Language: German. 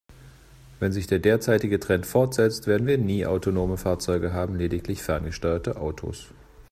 Wenn sich der derzeitige Trend fortsetzt, werden wir nie autonome Fahrzeuge haben, lediglich ferngesteuerte Autos.